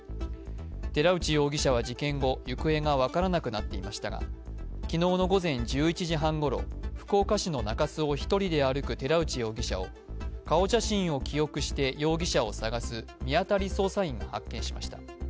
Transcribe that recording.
寺内容疑者は事件後、行方が分からなくなっていましたが昨日の午前１１時半ごろ、福岡市の中洲を１人で歩く寺内容疑者を顔写真を記憶して容疑者を捜す見当たり捜査員が発見しました。